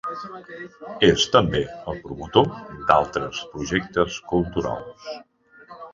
És també el promotor d'altres projectes culturals.